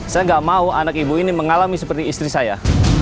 saya gak mau anak ibu ini mengalami seperti istri saya